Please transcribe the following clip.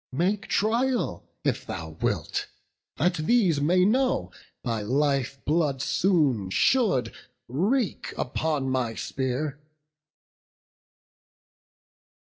Make trial if thou wilt, that these may know; Thy life blood soon should reek upon my spear."